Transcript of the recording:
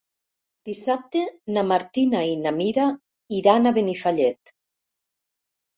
Dissabte na Martina i na Mira iran a Benifallet.